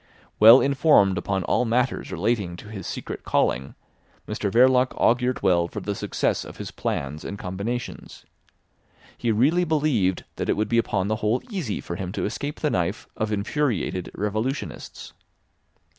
Well informed upon all matters relating to his secret calling, Mr Verloc augured well for the success of his plans and combinations. He really believed that it would be upon the whole easy for him to escape the knife of infuriated revolutionists.